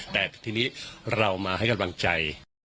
แต่ทีนี้เรามาให้กำลังใจ